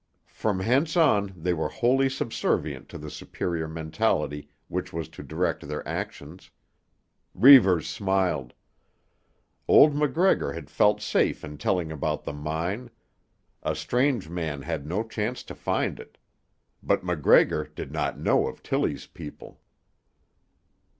From hence on they were wholly subservient to the superior mentality which was to direct their actions. Reivers smiled. Old MacGregor had felt safe in telling about the mine; a strange man had no chance to find it. But MacGregor did not know of Tillie's people.